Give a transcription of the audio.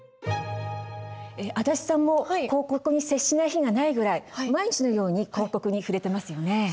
足立さんも広告に接しない日がないぐらい毎日のように広告に触れてますよね。